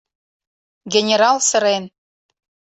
— Генерал сырен.